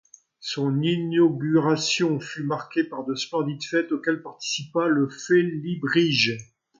Son inauguration fut marquée par de splendides fêtes auxquelles participa le Félibrige.